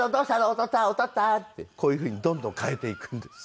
おとっつぁんおとっつぁんってこういうふうにどんどん変えていくんです。